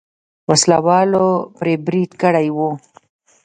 وسله والو پرې برید کړی و.